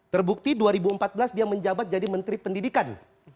terbukti dua ribu empat belas dia menjabat jadi menteri pendidikan